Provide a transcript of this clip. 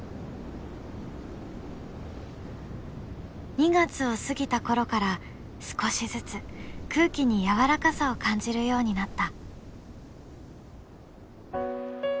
２月を過ぎた頃から少しずつ空気にやわらかさを感じるようになった。